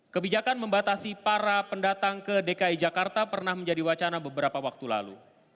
kebijakan membatasi para pendatang ke dki jakarta pernah menjadi wacana beberapa waktu lalu